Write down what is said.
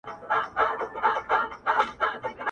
• هر څوک ځان په بل حالت کي احساسوي ګډ,